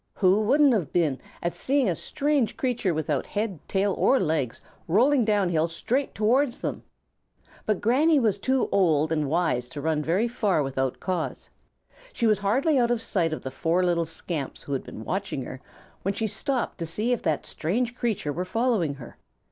Who wouldn't have been at seeing a strange creature without head, tail, or legs rolling down hill straight towards them? But Granny was too old and wise to run very far without cause. She was hardly out of sight of the four little scamps who had been watching her when she stopped to see if that strange creature were following her.